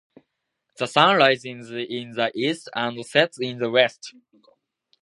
The sun rises in the east and sets in the west.